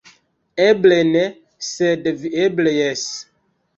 Eble ne, sed vi eble jes".